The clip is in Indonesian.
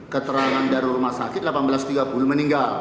keterangan dari rumah sakit delapan belas tiga puluh meninggal